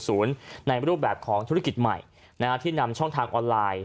ในรูปแบบของธุรกิจใหม่ที่นำช่องทางออนไลน์